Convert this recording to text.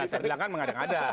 ya saya bilang kan mengadang ada